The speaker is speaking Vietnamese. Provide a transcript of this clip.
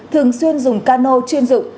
thường xuyên dùng cano chuyên dụng